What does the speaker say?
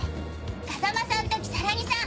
風間さんと如月さん。